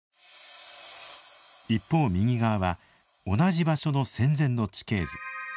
一方、右側は同じ場所の戦前の地形図。